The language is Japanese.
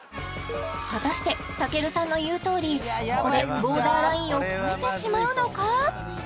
果たしてたけるさんの言うとおりここでボーダーラインを超えてしまうのか？